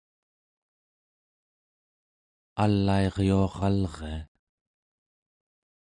alairyuaralria